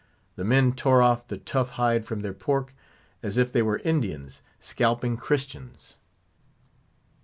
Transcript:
The men tore off the tough hide from their pork, as if they were Indians scalping Christians.